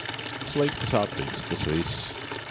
Sliktas atmiņas, tas viss.